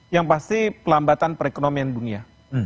yang pasti pelambatan perekonomian dunia